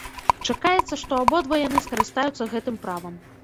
Чакаецца, што абодва яны скарыстаюцца гэтым правам.